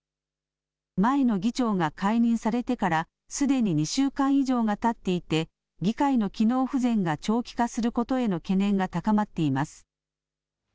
前の議長が解任されてからすでに２週間以上がたっていて、議会の機能不全が長期化することへの懸念が高まっています。